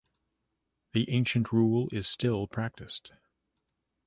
The ancient rule is still practised.